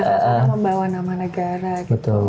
karena membawa nama negara gitu